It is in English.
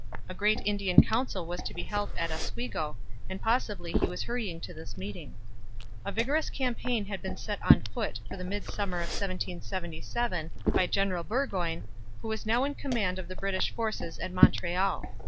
A great Indian council was to be held at Oswego, and possibly he was hurrying to this meeting. A vigorous campaign had been set on foot for the midsummer of 1777 by General Burgoyne, who was now in command of the British forces at Montreal.